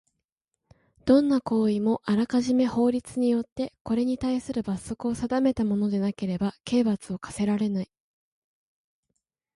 どんな行為もあらかじめ法律によってこれにたいする罰則を定めたものでなければ刑罰を科せられない。